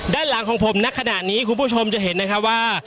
ด้านหลังของผมในขณะนี้คุณผู้ชมจะเห็นนะครับว่า